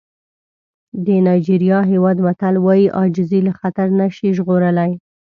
د نایجېریا هېواد متل وایي عاجزي له خطر نه شي ژغورلی.